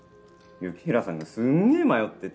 雪平さんがすんげえ迷ってて。